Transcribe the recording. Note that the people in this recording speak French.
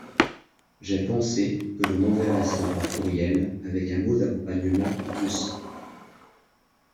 J'ai pensé que l'on enverrait ça par courriel avec un mot d'accompagnement en plus.